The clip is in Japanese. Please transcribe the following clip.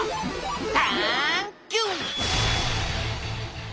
タンキュー！